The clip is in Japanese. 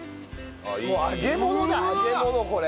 もう揚げ物だ揚げ物これ。